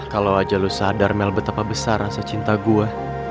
kalau aja lu sadar mel betapa besar rasa cinta gue